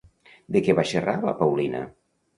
De què va xerrar la Paulina?